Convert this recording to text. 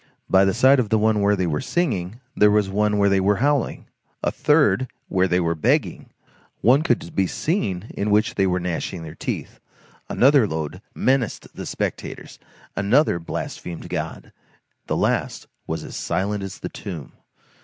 By the side of the one where they were singing, there was one where they were howling; a third where they were begging; one could be seen in which they were gnashing their teeth; another load menaced the spectators, another blasphemed God; the last was as silent as the tomb.